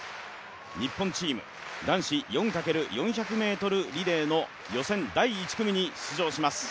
日本チーム、男子４×４００ｍリレーの第１組に登場します。